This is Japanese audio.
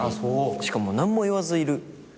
しかも何も言わずいる。